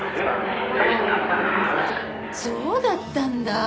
そうだったんだ！